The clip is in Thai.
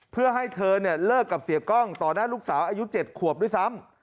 เพื่อให้เธอเลิกกับเสียกล้องต่อหน้าลูกสาวอายุ๗ขวบด้วยซ้ำ